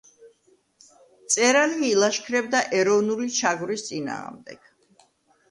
მწერალი ილაშქრებდა ეროვნული ჩაგვრის წინააღმდეგ.